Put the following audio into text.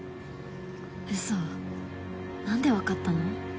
ウソ何で分かったの？